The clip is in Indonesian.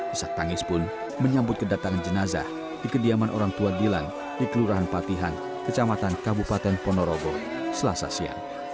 isak tangis pun menyambut kedatangan jenazah di kediaman orang tua dilan di kelurahan patihan kecamatan kabupaten ponorogo selasa siang